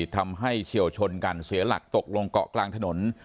เฉียวชนกันเสียหลักตกลงเกาะกลางถนน